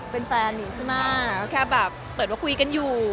เป็นแฟนนิงใช่ไหมก็แค่แบบเปิดมาคุยกันอยู่